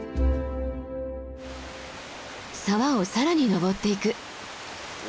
沢を更に登っていく。